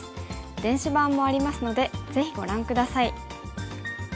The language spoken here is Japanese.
電子版もありますのでぜひご覧下さい。